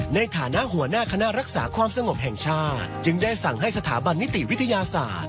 ในฐานะหัวหน้าคณะรักษาความสงบแห่งชาติจึงได้สั่งให้สถาบันนิติวิทยาศาสตร์